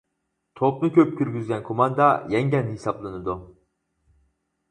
توپنى كۆپ كىرگۈزگەن كوماندا يەڭگەن ھېسابلىنىدۇ.